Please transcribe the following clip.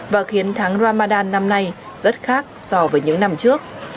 và khiến tháng ramadan năm nay rất khác so với những năm trước